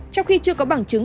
trong khi chưa có bằng chứng